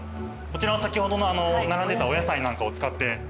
こちらは先ほどの並んでたお野菜なんかを使って。